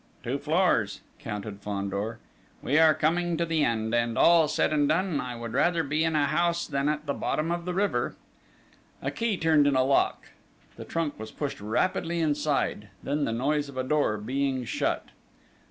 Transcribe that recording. "Two floors," counted Fandor. "We are coming to the end, and, all said and done, I would rather be in a house than at the bottom of the river!" A key turned in a lock; the trunk was pushed rapidly inside; then the noise of a door being shut.